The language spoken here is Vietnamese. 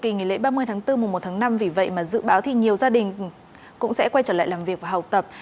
kỳ nghỉ lễ ba mươi tháng bốn mùa một tháng năm vì vậy mà dự báo thì nhiều gia đình cũng sẽ quay trở lại làm việc và học tập